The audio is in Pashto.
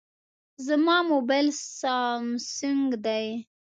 زما موبایل سامسونګ دی.